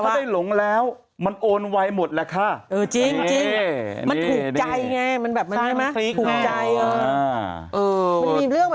ได้หลงแล้วมันโอนไวหมดแหละค่ะ